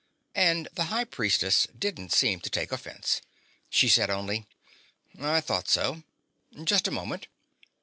And the High Priestess didn't seem to take offense. She said only: "I thought so. Just a moment."